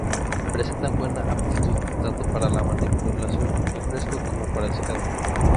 Presentan buena aptitud tanto para la manipulación en fresco como para el secado.